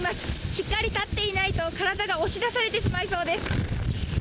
しっかり立っていないと、体が押し出されてしまいそうです。